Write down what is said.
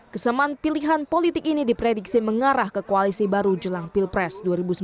kesemaan pilihan politik ini diprediksi mengarah ke koalisi baru jelang pilpres dua ribu sembilan belas